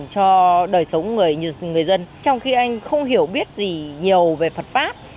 cho đời sống người dân trong khi anh không hiểu biết gì nhiều về phật pháp